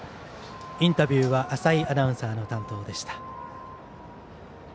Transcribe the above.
インタビューは浅井アナウンサーの担当でした。